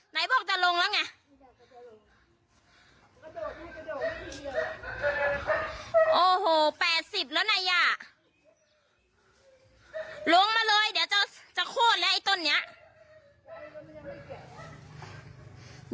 ล้วงมาเลยเดี๋ยวจะโคตรแล้วไอ้ต้นนี้